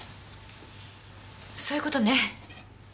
そういうことね。